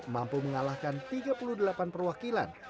mampu mengalahkan tiga puluh delapan perwakilan